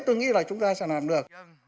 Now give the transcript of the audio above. tôi nghĩ là chúng ta sẽ làm được